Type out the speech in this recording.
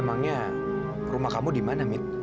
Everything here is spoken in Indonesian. emangnya rumah kamu di mana mit